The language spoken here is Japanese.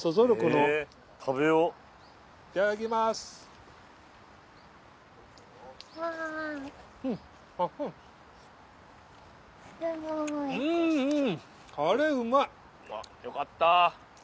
・うわよかった！